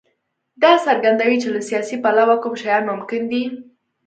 دا څرګندوي چې له سیاسي پلوه کوم شیان ممکن دي.